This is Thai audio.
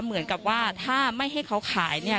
เหมือนกับว่าถ้าไม่ให้เขาขายเนี่ย